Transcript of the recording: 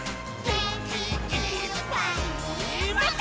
「げんきいっぱいもっと」